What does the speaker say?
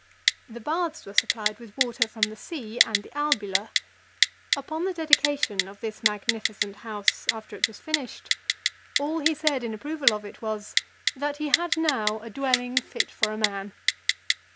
The baths were supplied with water from the sea and the Albula. Upon the dedication of this magnificent house after it was finished, all he said in approval of it was, "that he had now a dwelling fit for a man."